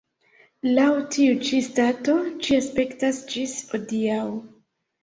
Laŭ tiu ĉi stato ĝi aspektas ĝis hodiaŭ.